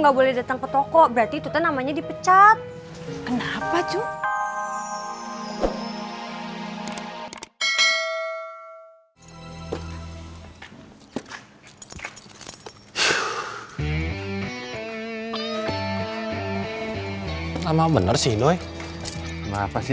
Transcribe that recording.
nggak boleh datang ke toko berarti itu namanya dipecat kenapa cuy sama bener sih lo apa sih